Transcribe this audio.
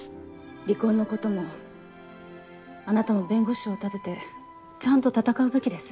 離婚の事もあなたも弁護士を立ててちゃんと闘うべきです。